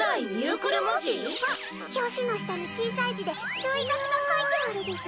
あっ表紙の下に小さい字で注意書きが書いてあるです。